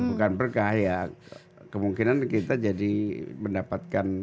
bukan berkah yang kemungkinan kita jadi mendapatkan